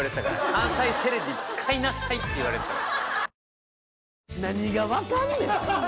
「関西テレビ使いなさい！」って言われてたから。